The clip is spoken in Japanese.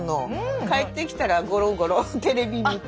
帰ってきたらゴロゴロテレビ見て。